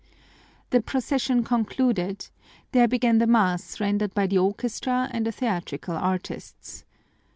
"The procession concluded, there began the mass rendered by the orchestra and the theatrical artists.